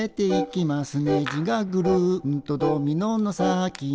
「ねじがぐるんとドミノの先に」